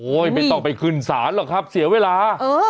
ไม่ต้องไปขึ้นศาลหรอกครับเสียเวลา